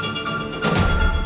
apa mbak adin sekarat